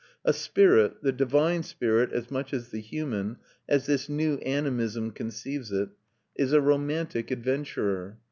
A spirit, the divine spirit as much as the human, as this new animism conceives it, is a romantic adventurer.